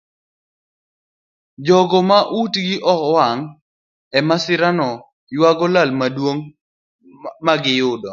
Jogo ma utgi owang' emasirano yuago lal maduong magiyudo.